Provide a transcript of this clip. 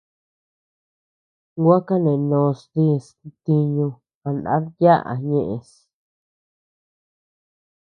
Gua kanenos dis ntiñu a ndar yaʼa ñeʼes.